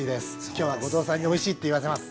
今日は後藤さんにおいしいって言わせます。